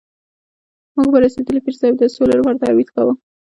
موږ په رسېدلي پیر صاحب د سولې لپاره تعویض کاږو.